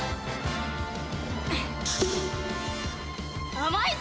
甘いぞ！